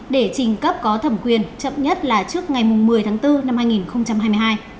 để trình cấp có thẩm quyền chậm nhất là trước ngày một mươi tháng bốn năm hai nghìn hai mươi hai